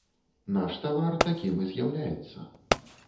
Наш тавар такім і з'яўляецца.